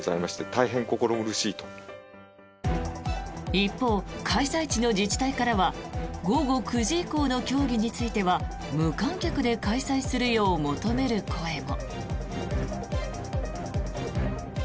一方、開催地の自治体からは午後９時以降の競技については無観客で開催するよう求める声も。